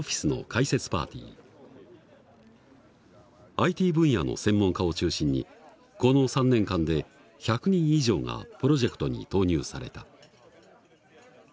ＩＴ分野の専門家を中心にこの３年間で１００人以上がプロジェクトに投入された。